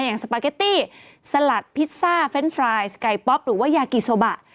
สปาเกตตี้สลัดพิซซ่าเฟรนด์ฟรายสไก่ป๊อปหรือว่ายากิโซบะ